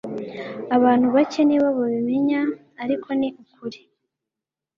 abantu bake ni bo babimenya, ariko ni ukuri